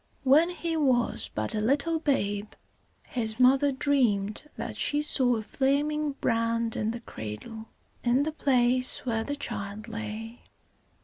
When he was but a little babe, his mother dreamed that she saw a flaming brand in the cradle, in the place where the child lay.